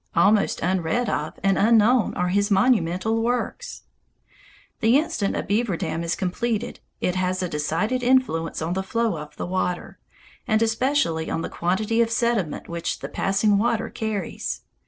Almost unread of and unknown are his monumental works. The instant a beaver dam is completed, it has a decided influence on the flow of the water, and especially on the quantity of sediment which the passing water carries.